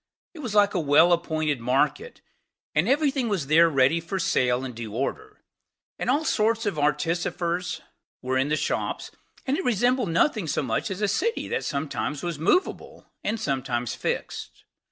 It was like a well appointed market; and every thing was there ready for sale in due order; and all sorts of artificers were in the shops; and it resembled nothing so much as a city that sometimes was movable, and sometimes fixed.